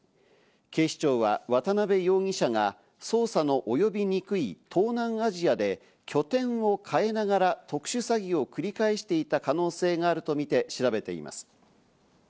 警視庁は渡辺容疑者が捜査のおよびにくい東南アジアで拠点を変えながら、特殊詐欺を繰り返していた可能性があるとみて調べています。